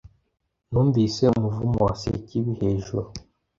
Numvise umuvumo wa Sekibi hejuru